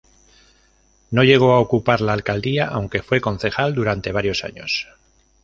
No llegó a ocupar la alcaldía, aunque fue concejal durante varios años.